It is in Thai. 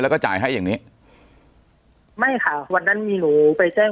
ปากกับภาคภูมิ